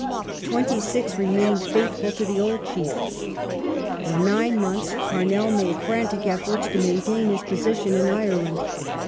Twenty six remained faithful to the old Chief. For nine months Pamell made frantic efforts to maintain his position in Ireland.